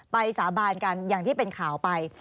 สาบานกันอย่างที่เป็นข่าวไป